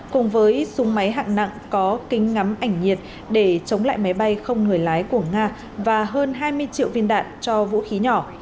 cùng với súng máy hạng nặng có kính ngắm ảnh nhiệt để chống lại máy bay không người lái của nga và hơn hai mươi triệu viên đạn cho vũ khí nhỏ